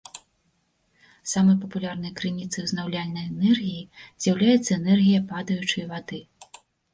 Самай папулярнай крыніцай узнаўляльнай энергіі з'яўляецца энергія падаючай вады.